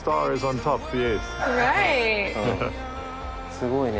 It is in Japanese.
すごいね。